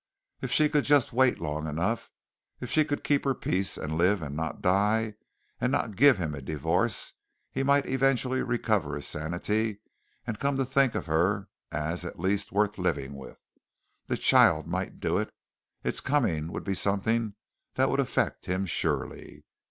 If she could just wait long enough; if she could keep her peace and live and not die, and not give him a divorce, he might eventually recover his sanity and come to think of her as at least worth living with. The child might do it, its coming would be something that would affect him surely.